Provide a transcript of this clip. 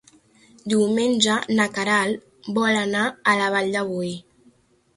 Diumenge na Queralt vol anar a la Vall de Boí.